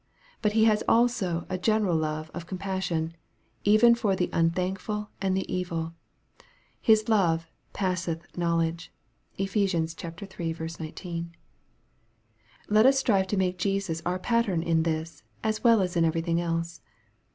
But He has also a general love of compas sion, even for the unthankful and the evil. His love " passeth knowledge." (Ephes. iii. 19.) Let us strive to make Jesus our pattern in this, as well as in everything else.